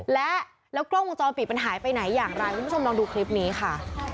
และแล้วกล้องวงจรปิดมันหายไปไหนอย่างไรคุณผู้ชมลองดูคลิปนี้ค่ะ